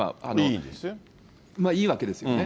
いいわけですよね。